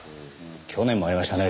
去年もありましたね